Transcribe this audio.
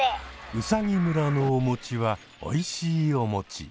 うさぎ村のおもちはおいしいおもち。